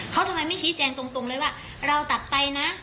เขาทำไมไม่ชี้แจงตรงเลยว่าเราตัดไปนะ